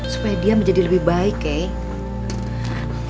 supaya dia menjadi lebih baik ya